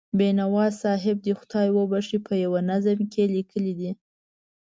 بینوا صاحب دې خدای وبښي، په یوه نظم کې یې لیکلي دي.